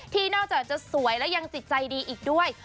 นอกจากจะสวยและยังจิตใจดีอีกด้วย